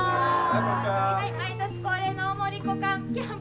毎年恒例の大森っ子キャンプ